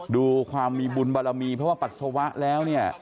ดูความมีบุญบารมีเพราะว่าปัสสาวะแล้วเนี่ย